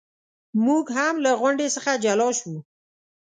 موږ هم له غونډې څخه جلا شو.